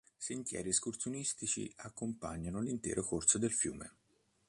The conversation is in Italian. Sentieri escursionistici accompagnano l'intero corso del fiume.